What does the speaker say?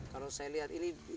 kalau saya lihat ini